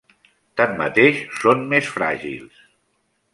Tanmateix són més fràgils.